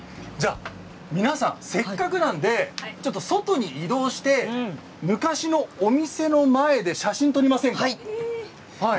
皆さん、せっかくなので外に移動して昔のお店の前で写真を撮りませんか。